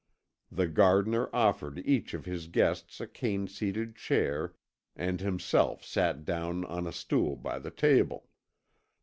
The gardener offered each of his guests a cane seated chair, and himself sat down on a stool by the table.